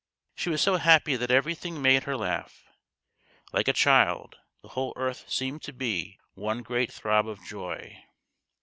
She was so happy that everything made her laugh. Like a child, the whole earth seemed to be one great throb of joy.